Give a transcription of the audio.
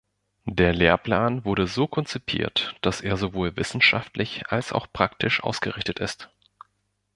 Der Lehrplan wurde so konzipiert, dass er sowohl wissenschaftlich als auch praktisch ausgerichtet ist.